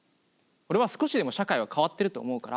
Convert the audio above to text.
俺は少しでも社会は変わってると思うから。